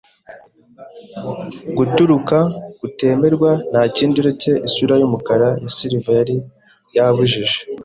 Guturika kutemerwa, ntakindi uretse isura yumukara ya silver yari yabujije,